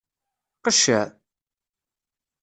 Qceɛ!